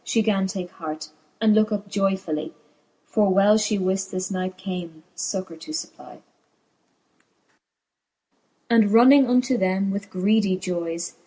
She gan take hart, and looke up joyfully : For well fhe wilt this knight came, fuccour to fapply : XX. And running unto them with greedy joyes.